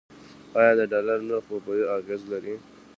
آیا د ډالر نرخ په بیو اغیز لري؟